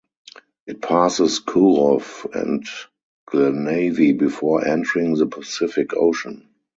It passes Kurow and Glenavy before entering the Pacific Ocean.